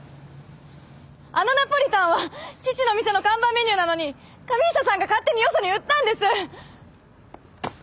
あのナポリタンは父の店の看板メニューなのに神下さんが勝手によそに売ったんです！